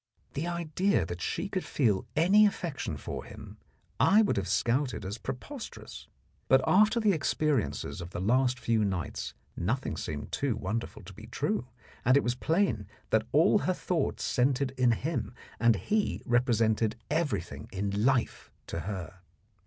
The idea that she could feel any affection for him I would have scouted as preposterous; but after the experiences of the last few nights nothing seemed too wonderful to be true, and it was plain that all her thoughts centred in him and he represented everything in life to her.